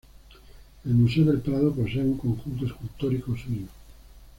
El Museo del Prado posee un conjunto escultórico suyo.